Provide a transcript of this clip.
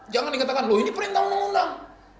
jangan dikatakan loh ini perintah undang undang